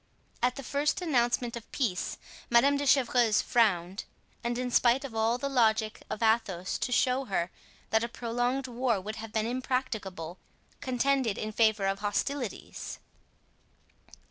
At the first announcement of peace Madame de Chevreuse frowned, and in spite of all the logic of Athos to show her that a prolonged war would have been impracticable, contended in favor of hostilities.